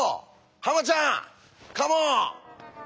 ハマちゃんカモン！